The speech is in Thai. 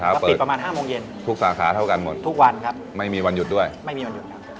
ก็ปิดประมาณห้าโมงเย็นทุกสาขาเท่ากันหมดทุกวันครับไม่มีวันหยุดด้วยไม่มีวันหยุดครับ